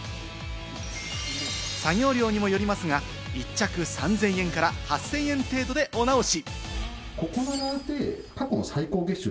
作業量にもよりますが１着３０００円から８０００円程度でお直し。